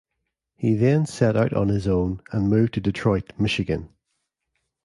He then set out on his own and moved to Detroit, Michigan.